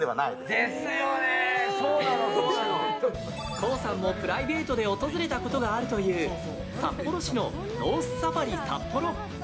ＫＯＯさんもプライベートで訪れたことがあるという札幌市のノースサファリサッポロ。